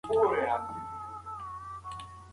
تر راتلونکي کال پورې به دا مځکه پوره حاصل ورکړي.